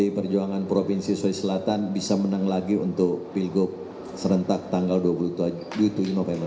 pdi perjuangan provinsi sulawesi selatan bisa menang lagi untuk pilgub serentak tanggal dua puluh tujuh november